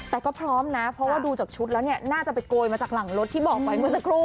แต่ก็พร้อมนะเพราะว่าดูจากชุดแล้วเนี่ยน่าจะไปโกยมาจากหลังรถที่บอกไปเมื่อสักครู่